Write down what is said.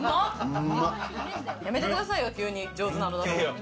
やめてくださいよ、急に上手なの出すの。